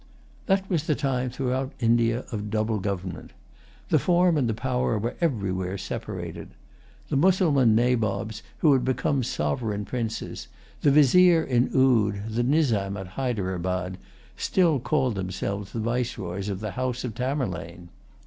That was the time, throughout India, of double government. The form and the power were everywhere separated. The Mussulman nabobs who had become sovereign princes, the Vizier in Oude, and the Nizam at Hyderabad, still called themselves the viceroys of the house of Tamerlane.